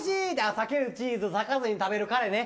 さけるチーズさかずに食べる彼ね。